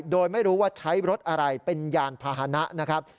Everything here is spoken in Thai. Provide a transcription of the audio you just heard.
โดยไม่รู้ว่าใช้รถอะไรเป็นยานพาหนะนะครับ